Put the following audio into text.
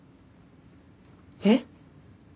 えっ？